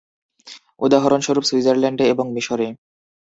উদাহরণস্বরূপ, সুইজারল্যান্ডে এবং মিশরে।